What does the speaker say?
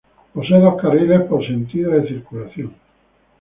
Posee dos carriles por sentido de circulación.